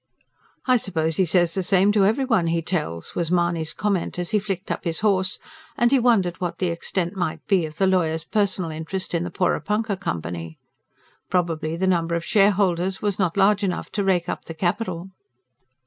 "I suppose he says the same to everyone he tells," was Mahony's comment as he flicked up his horse; and he wondered what the extent might be of the lawyer's personal interest in the "Porepunkah Company." Probably the number of shareholders was not large enough to rake up the capital.